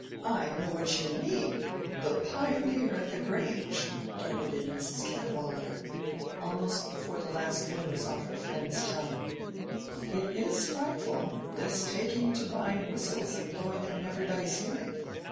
"I know what you mean—the 'Pioneer' at the Grange!" darted in Mrs. Cadwallader, almost before the last word was off her friend's tongue. "It is frightful—this taking to buying whistles and blowing them in everybody's hearing.